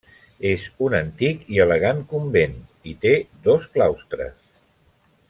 És un antic i elegant convent i té dos claustres.